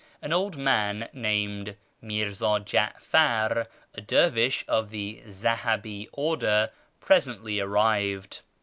An old man named Mirzii Ja'far, a dervish of tlie Zahabi order, presently arrived.